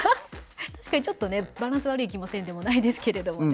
確かにちょっとねバランス悪い気もせんでもないですけれどもね。